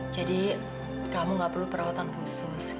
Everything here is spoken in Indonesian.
jadi kamu gak perlu perawatan khusus